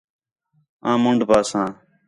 آں منڈھ پاساں